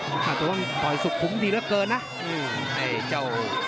อาจจะต้องปล่อยสุขุมดีเหลือเกินนะ